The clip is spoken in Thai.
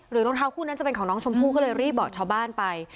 รองเท้าคู่นั้นจะเป็นของน้องชมพู่ก็เลยรีบบอกชาวบ้านไป